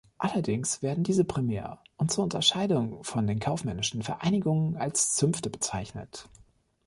Allerdings werden diese primär und zur Unterscheidung von den kaufmännischen Vereinigungen als Zünfte bezeichnet.